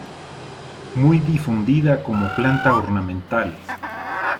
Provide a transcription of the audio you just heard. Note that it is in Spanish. Muy difundida como planta ornamental.